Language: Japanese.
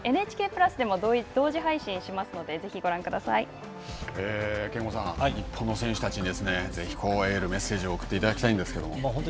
「ＮＨＫプラス」でも同時配信しますので憲剛さん、日本の選手たちにぜひエール、メッセージを送っていただきたいんですけど。